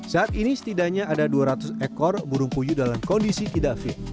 saat ini setidaknya ada dua ratus ekor burung puyuh dalam kondisi tidak fit